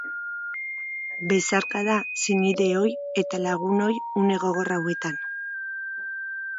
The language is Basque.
Besarkada senideoi eta lagunoi une gogor hauetan.